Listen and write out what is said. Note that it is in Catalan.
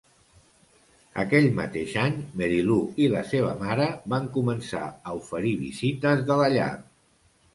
Aquell mateix any, Mary Lou i la seva mare van començar a oferir visites de la llar.